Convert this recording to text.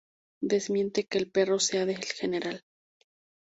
Desmiente que el perro sea del general.